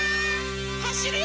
はしるよ！